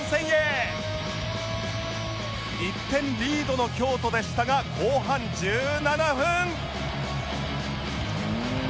１点リードの京都でしたが後半１７分